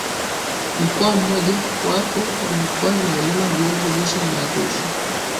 mkoa mmoja wapo wa mikoa inayolima viazi lishe ni Arusha